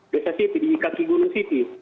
desa siti di kaki gunung siti